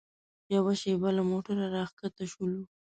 یوه شېبه له موټره راښکته شولو.